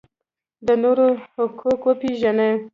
د نورو حقوق وپیژنئ